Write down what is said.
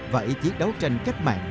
và ý chí đấu tranh cách mạng